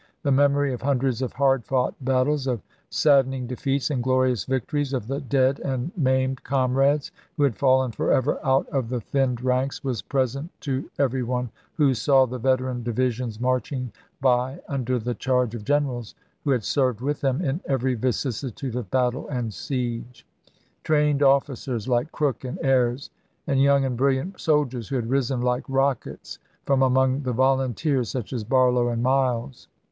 1 The memory of hundreds of hard fought battles, of saddening defeats and glorious victories, of the dead and maimed comrades who had fallen forever out of the thinned ranks, was present to every one who saw the veteran divisions marching by under the charge of generals who had served with them in every vicissitude of battle and siege — trained officers like Crook and Ayres, and young and brilliant soldiers who had risen like rockets from among the volun teers, such as Barlow and Miles.